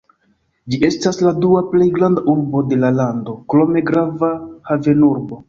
Ĝi estas la dua plej granda urbo de la lando, krome grava havenurbo.